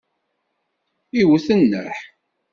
Iwet nneḥ.